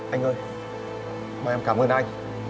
anh ơi mời em cảm ơn anh